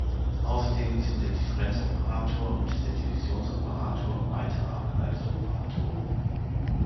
Außerdem sind der Differenz-Operator und der Divisions-Operator weitere abgeleitete Operatoren.